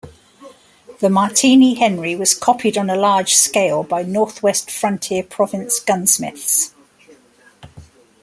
The Martini-Henry was copied on a large scale by North-West Frontier Province gunsmiths.